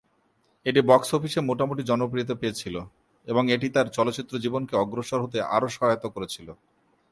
এটি বক্স-অফিসে মোটামুটি জনপ্রিয়তা পেয়েছিল এবং এটি তাঁর চলচ্চিত্র জীবনকে অগ্রসর হতে আরও সহায়তা করেছিল।